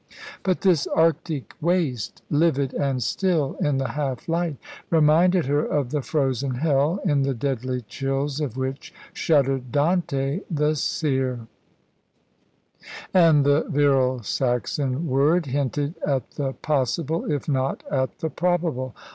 But this arctic waste, livid and still in the half light, reminded her of the frozen hell, in the deadly chills of which shuddered Dante, the seer. And the virile Saxon word hinted at the possible, if not at the probable.